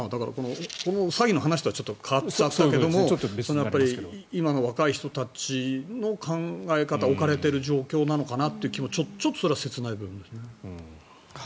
この詐欺の話とはちょっと変わるけれども今の若い人たちの考え方置かれている状況なのかなという気もちょっと切ない部分。